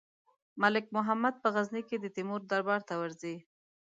ملک محمد په غزني کې د تیمور دربار ته ورځي.